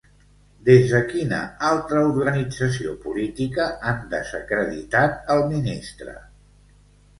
Des de quina altra organització política han desacreditat el ministre?